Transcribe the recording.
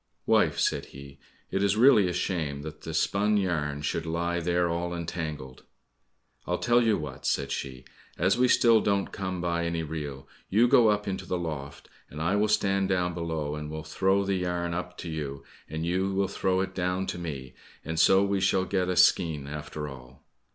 "Wife," said he, "it is really a shame that the spun yarn should lie there all entangled!" "I'll tell you what," said she, "as we still don't come by any reel, go you up into the loft, and I will stand down below, and will throw the yarn up to you, and you will throw it down to me, and so we shall get a skein after all."